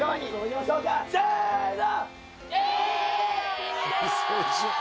せの！